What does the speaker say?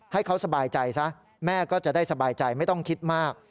ให้เขาสบายใจซะแม่ก็จะได้สบายใจไม่ต้องคิดมาก